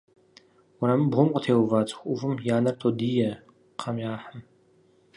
Уэрамыбгъум къытеува цӏыху ӏувым я нэр тодие кхъэм яхьым.